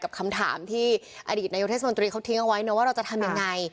กับคำถามที่อดีตนายกเทศมนตรีเขาทิ้งเอาไว้นะว่าเราจะทำยังไง